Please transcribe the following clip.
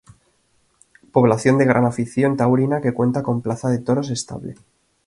Población de gran afición taurina que cuenta con plaza de toros estable.